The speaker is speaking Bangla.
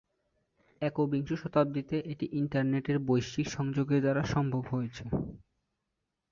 একবিংশ শতাব্দীতে এটি ইন্টারনেটের বৈশ্বিক সংযোগের দ্বারা সম্ভব হয়েছে।